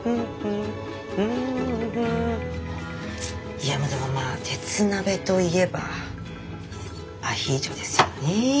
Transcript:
いやでもまぁ鉄鍋といえばアヒージョですよね。